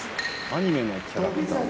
アニメのキャラクター。